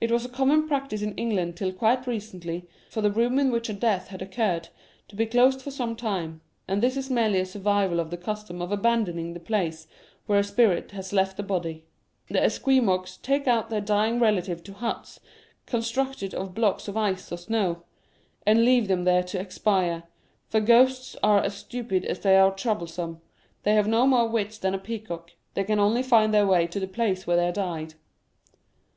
It was a common practice in England till quite recently for the room in which a death had occurred to be closed for some time, and this is merely a survival of the custom of abandoning the place where a spirit has left the body. The Esquimaux take out their dying relatives to huts constructed of blocks of ice or snow, and leave them there to expire, for ghosts are as stupid as they are trouble some, they have no more wits than a peacock, they can only find their way to the place where they died.